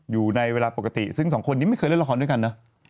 อยู่ในเวลาปกติซึ่งสองคนนี้ไม่เคยเล่นละครด้วยกันนะ